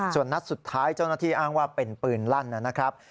ส่วนนัดสุดท้ายเจ้าหน้าที่อ้างว่าเป็นปืนลั่นนะครับ